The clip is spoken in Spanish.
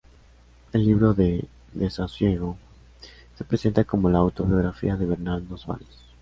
El "Libro del Desasosiego" se presenta como la autobiografía de Bernardo Soares.